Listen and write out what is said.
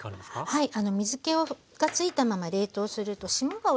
はい。